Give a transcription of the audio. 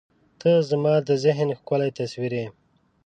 • ته زما د ذهن ښکلی تصویر یې.